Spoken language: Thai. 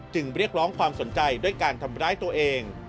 เรียกร้องความสนใจด้วยการทำร้ายตัวเอง